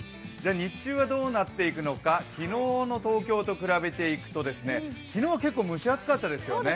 日中はどうなっていくのか昨日の東京と比べていくと昨日は結構、蒸し暑かったですよね